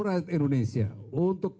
rakyat indonesia untuk